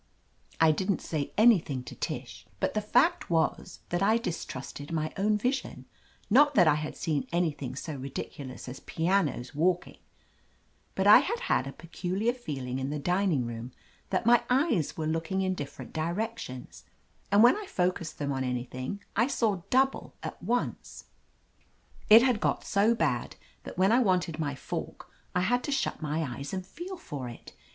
I didn't say anything to Tish, but the fact was that I distrusted my own vision — ^not that I had seen anything so ridiculous as pianos walking, but I had had a peculiar feeling in the dining room that my eyes were looking in different directions, and when I focused them on anything I saw double at once. It had got so bad that when I wanted my fork I had to 260 OF LETITIA CARBERRY shut my eyes and feel for it.